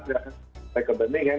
sampai ke beningen